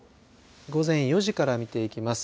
午前４時から見ていきます。